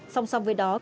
xong xong với đó